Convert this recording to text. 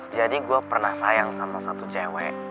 jadi gue pernah sayang sama satu cewek